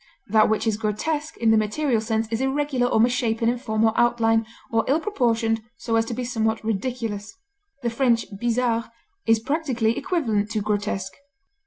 That which is grotesque in the material sense is irregular or misshapen in form or outline or ill proportioned so as to be somewhat ridiculous; the French bizarre is practically equivalent to grotesque.